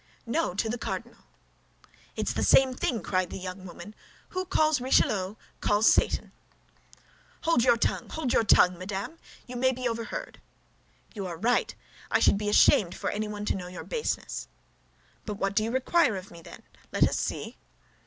"No, to the cardinal." "It's the same thing," cried the young woman. "Who calls Richelieu calls Satan." "Hold your tongue, hold your tongue, madame! You may be overheard." "Yes, you are right; I should be ashamed for anyone to know your baseness." "But what do you require of me, then? Let us see."